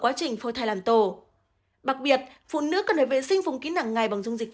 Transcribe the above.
quá trình phôi thai làm tổ bặc biệt phụ nữ cần được vệ sinh phùng kín hàng ngày bằng dung dịch